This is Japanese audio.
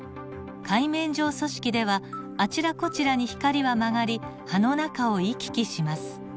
海綿状組織ではあちらこちらに光は曲がり葉の中を行き来します。